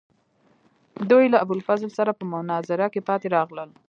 دوی له ابوالفضل سره په مناظره کې پاتې راغلل.